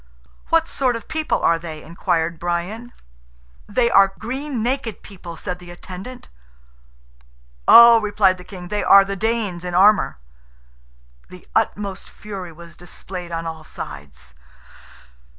"What sort of people are they?" inquired Brian. "They are green naked people." said the attendant. "Oh!" replied the king, "they are the Danes in armour!" The utmost fury was displayed on all sides.